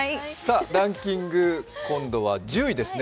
ランキング、今度は１０位ですね。